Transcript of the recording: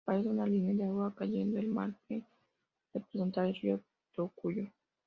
Aparece una línea de agua cayendo al mar que representa el Río Tocuyo.